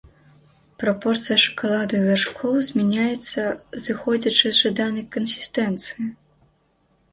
Прапорцыя шакаладу і вяршкоў змяняецца, зыходзячы з жаданай кансістэнцыі.